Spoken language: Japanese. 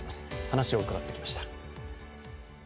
話を伺ってきました。